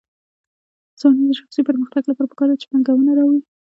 د ځوانانو د شخصي پرمختګ لپاره پکار ده چې پانګونه راوړي.